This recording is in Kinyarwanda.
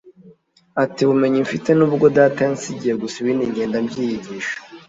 Ati “ Ubumenyi mfite ni ubwo data yansigiye gusa ibindi ngenda mbyiyigisha